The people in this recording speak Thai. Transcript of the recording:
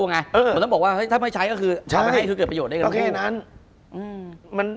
คุณผู้ชมบางท่าอาจจะไม่เข้าใจที่พิเตียร์สาร